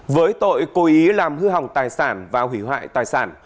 với tội cố ý làm hư hỏng tài sản và hủy hoại tài sản